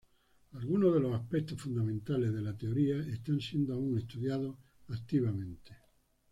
Algunos de los aspectos fundamentales de la teoría están siendo aún estudiados activamente.